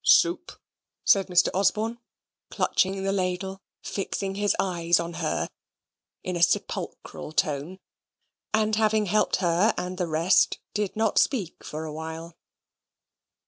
"Soup?" says Mr. Osborne, clutching the ladle, fixing his eyes on her, in a sepulchral tone; and having helped her and the rest, did not speak for a while.